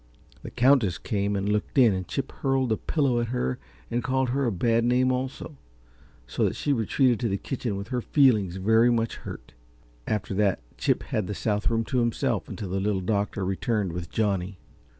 The Countess came and looked in, and Chip hurled a pillow at her and called her a bad name also, so that she retreated to the kitchen with her feelings very much hurt. After that Chip had the south room to himself until the Little Doctor returned with Johnny.